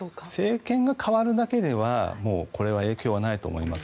政権が代わるだけではこれは影響はないと思います。